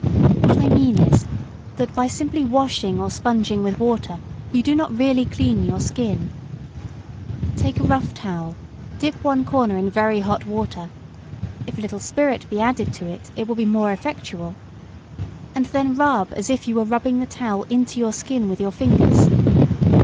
What I mean is, that by simply washing or sponging with water you do not really clean your skin. Take a rough towel, dip one corner in very hot water, if a little spirit be added to it it will be more effectual, and then rub as if you were rubbing the towel into your skin with your fingers.